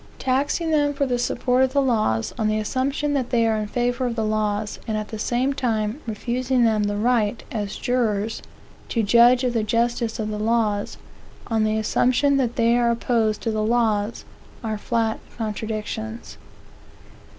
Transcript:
Taxing them for the support of the laws, on the assumption that they are in favor of the laws, and at the same time refusing them the right, as jurors, to judge of the justice of the laws, on the assumption that they are opposed to the laws, are flat contradictions.